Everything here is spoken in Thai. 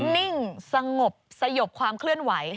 นิ่งสงบสยบความเคลื่อนไหว